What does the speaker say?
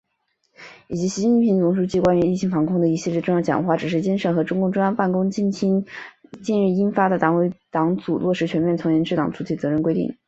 以及习近平总书记关于疫情防控的一系列重要讲话、指示精神和中共中央办公厅近日印发的《党委（党组）落实全面从严治党主体责任规定》